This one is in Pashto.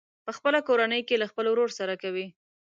په خپله کورنۍ کې له خپل ورور سره کوي.